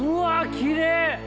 きれい！